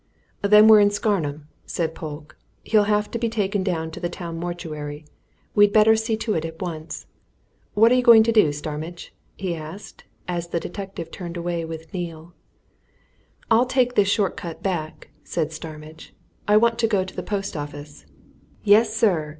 "Then we're in Scarnham," said Polke. "He'll have to be taken down to the town mortuary. We'd better see to it at once. What are you going to do, Starmidge?" he asked, as the detective turned away with Neale. "I'll take this short cut back," said Starmidge. "I want to get to the post office. Yes, sir!"